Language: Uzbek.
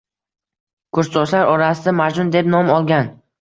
Kursdoshlar orasida Majnun deb nom olgan